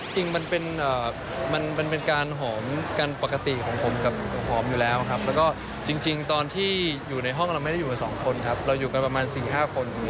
จริงมันเป็นการหอมกันปกติของผมกับหอมอยู่แล้วครับแล้วก็จริงตอนที่อยู่ในห้องเราไม่ได้อยู่กันสองคนครับเราอยู่กันประมาณ๔๕คน